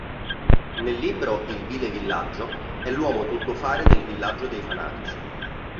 Nel libro "Il vile villaggio", è l'uomo tuttofare nel Villaggio dei Fanatici.